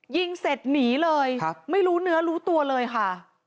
ยิงเสร็จหนีเลยไม่รู้เนื้อรู้ตัวเลยค่ะ